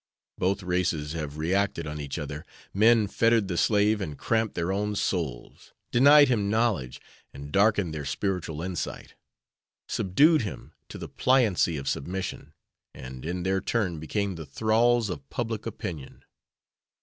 Both races have reacted on each other men fettered the slave and cramped their own souls; denied him knowledge, and darkened their spiritual insight; subdued him to the pliancy of submission, and in their turn became the thralls of public opinion.